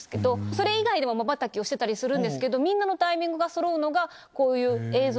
それ以外でもまばたきをしてたりするんですけどみんなのタイミングがそろうのが。